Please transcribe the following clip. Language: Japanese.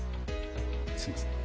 すいません。